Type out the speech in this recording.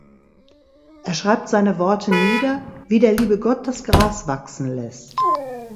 Er schreibt seine Worte nieder, wie der liebe Gott das Gras wachsen lässt“.